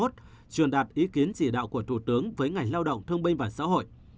truyền đạt ý kiến chỉ đạo của thủ tướng với ngành lao động thương binh và xã hội